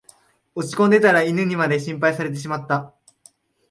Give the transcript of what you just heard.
落ちこんでたら犬にまで心配されてしまった